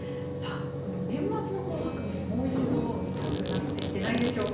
年末の「紅白」ももう一度見たくなってきてないでしょうか。